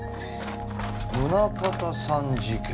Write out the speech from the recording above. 「宗像さん事件」